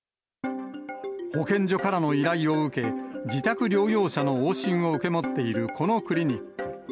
保健所からの依頼を受け、自宅療養者の往診を受け持っているこのクリニック。